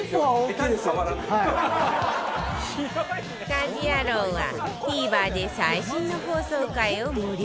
『家事ヤロウ！！！』は ＴＶｅｒ で最新の放送回を無料配信中